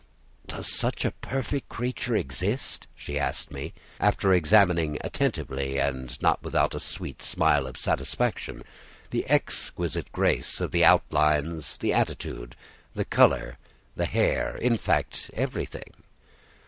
"Does such a perfect creature exist?" she asked me, after examining attentively, and not without a sweet smile of satisfaction, the exquisite grace of the outlines, the attitude, the color, the hair, in fact everything.